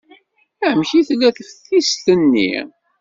Amek i tella teftist-nni?